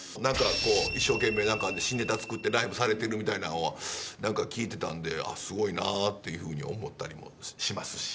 一生懸命、新ネタ作ってライブされてるみたいなんは聞いてたんですごいなっていうふうに思ったりもしますし。